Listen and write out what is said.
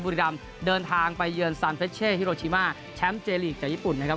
บุรีรำเดินทางไปเยือนซานเฟชเช่ฮิโรชิมาแชมป์เจลีกจากญี่ปุ่นนะครับ